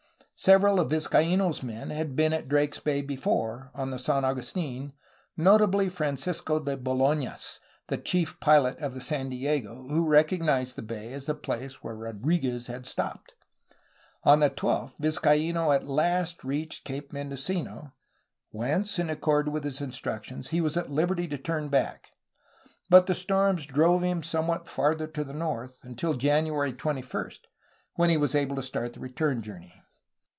Several of Vizcaino's men had been at Drake's Bay before, on the San Agustin, notably Francisco de Bolanos, chief pilot of the San Diego, who recognized the bay as the place where Rodriguez had stopped. On the 12th Vizcaino at last reached Cape Mendocino, whence, in accord with his instructions, he was at liberty to turn back, but the storms drove him somewhat farther to the north, until January 21, when he was able to start the return journey.